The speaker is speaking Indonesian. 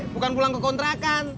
bukan pulang ke kontrakan